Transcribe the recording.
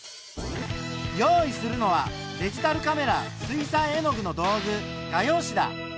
用意するのはデジタルカメラ水彩絵の具の道具画用紙だ。